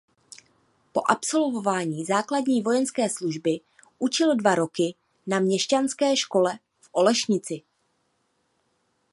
Po absolvování základní vojenské služby učil dva roky na měšťanské škole v Olešnici.